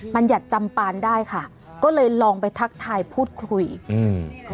ัญญัติจำปานได้ค่ะก็เลยลองไปทักทายพูดคุยอืม